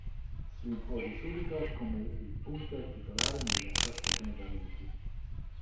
Si impose subito come il punter titolare nella sua stagione da rookie.